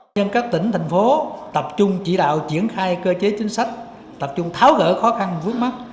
nhân các tỉnh thành phố tập trung chỉ đạo triển khai cơ chế chính sách tập trung tháo gỡ khó khăn vứt mắt